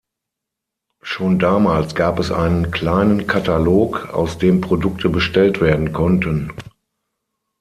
Schon damals gab es einen kleinen Katalog aus dem Produkte bestellt werden konnten.